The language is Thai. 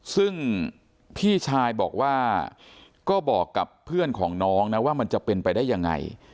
ซึ่งพี่ชายบอกว่าก็บอกกับเพื่อนของน้องนะว่ามันจะเป็นไปได้ยังไง